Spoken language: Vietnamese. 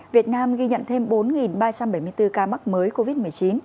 việt nam ghi nhận thêm bốn ba trăm bảy mươi bốn ca mắc mới covid một mươi chín